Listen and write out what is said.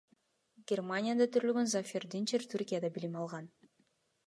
Германияда төрөлгөн Зафер Динчер Түркияда билим алган.